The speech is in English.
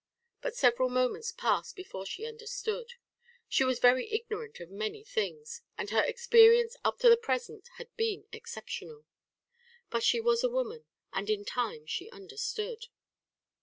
But several moments passed before she understood. She was very ignorant of many things, and her experience up to the present had been exceptional. But she was a woman, and in time she understood.